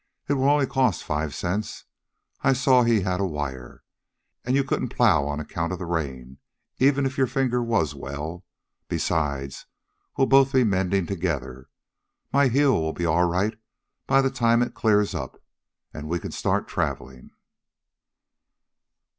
It will only cost five cents. I saw he had a wire. And you couldn't plow on account of the rain, even if your finger was well. Besides, we'll both be mending together. My heel will be all right by the time it clears up and we can start traveling."